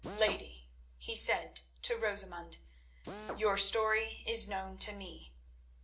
"Lady," he said to Rosamund, "your story is known to me.